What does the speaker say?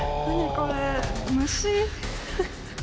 これ虫。